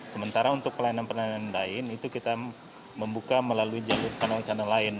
sementara untuk pelayanan pelayanan lain itu kita membuka melalui jalur channel channel lain